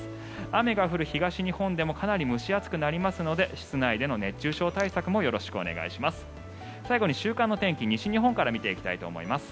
雨が降る東日本でもかなり蒸し暑くなりますので室内での熱中症対策もよろしくお願いします。